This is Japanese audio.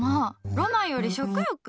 ロマンより食欲？